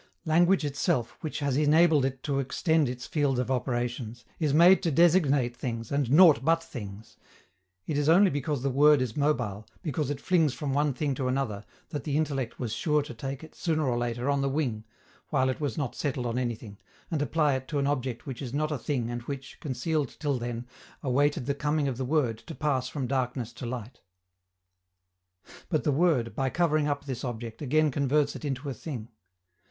Language itself, which has enabled it to extend its field of operations, is made to designate things, and nought but things: it is only because the word is mobile, because it flies from one thing to another, that the intellect was sure to take it, sooner or later, on the wing, while it was not settled on anything, and apply it to an object which is not a thing and which, concealed till then, awaited the coming of the word to pass from darkness to light. But the word, by covering up this object, again converts it into a thing.